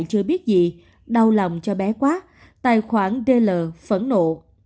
mà chưa biết gì đau lòng cho bé quá tài khoản đê lờ phẫn nộ